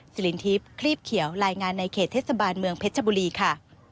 สิรินทิพย์คลีบเขียวรายงานในเขตเทศบาลเมืองเพชรชบุรีค่ะ